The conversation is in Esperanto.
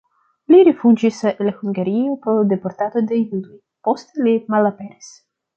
Li rifuĝis el Hungario pro deportado de judoj, poste li malaperis.